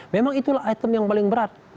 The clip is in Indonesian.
memang itulah item yang paling berat